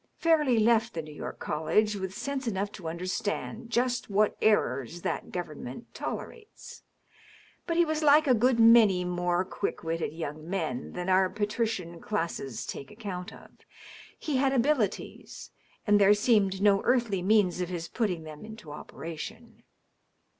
Fairleigh left the New York College with sense enough to understand just what errors that government tolerates. But he was like a good many more quick witted young men than our patrician classes take account of. He had abilities, and there seemed no earthly means of his putting them into operation.